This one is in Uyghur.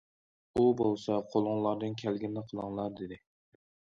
ئۇ بولسا:« قولۇڭلاردىن كەلگىنىنى قىلىڭلار» دېدى.